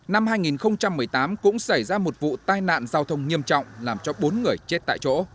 năm hai nghìn một mươi tám cũng xảy ra một vụ tai nạn giao thông nghiêm trọng làm cho bốn người chết tại chỗ